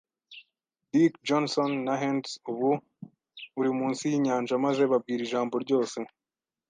Dick Johnson, na Hands, ubu uri munsi yinyanja, maze babwira ijambo ryose